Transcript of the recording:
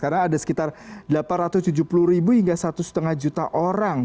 karena ada sekitar delapan ratus tujuh puluh hingga satu lima juta orang